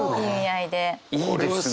いいですね！